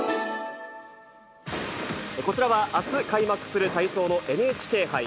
こちらはあす開幕する体操のＮＨＫ杯。